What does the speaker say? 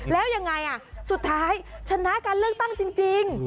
แล้วยังไงสุดท้ายชนะการเลือกตั้งจริง